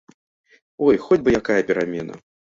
Ой, хоць бы якая перамена!